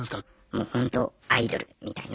もうほんとアイドルみたいな。